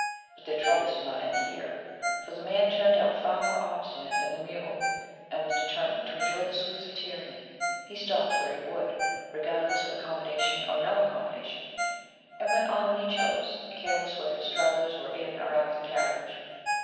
But their troubles did not end here, for the man turned out far more obstinate than the mule, and was determined to enjoy the sweets of tyranny : he stopped where he would, regardless of accommodation or no accommodation, and went on when he chose, careless whether his travellers were in or out of the carriage.